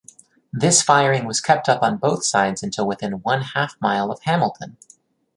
This firing was kept up on both sides until within one-half mile of Hamilton.